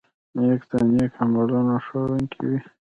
نیکه د نیک عملونو ښوونکی وي.